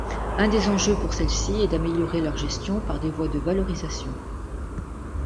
Un des enjeux pour celles-ci est d'améliorer leur gestion par des voies de valorisation.